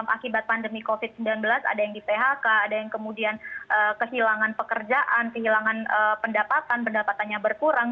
akibat pandemi covid sembilan belas ada yang di phk ada yang kemudian kehilangan pekerjaan kehilangan pendapatan pendapatannya berkurang